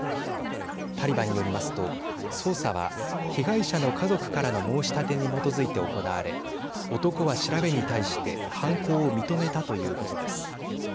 タリバンによりますと捜査は被害者の家族からの申し立てに基づいて行われ男は調べに対して犯行を認めたということです。